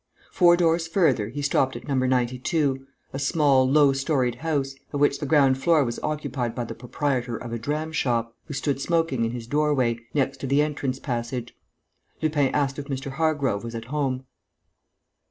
Four doors further, he stopped at No. 92, a small, low storied house, of which the ground floor was occupied by the proprietor of a dram shop, who stood smoking in his doorway, next to the entrance passage. Lupin asked if Mr. Hargrove was at home.